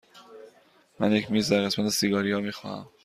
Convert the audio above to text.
من یک میز در قسمت سیگاری ها می خواهم.